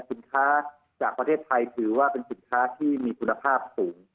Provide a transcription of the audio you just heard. สินค้าจากประเทศไทยถือว่าเป็นสินค้าที่มีคุณภาพสูง